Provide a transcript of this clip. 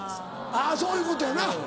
あぁそういうことやな。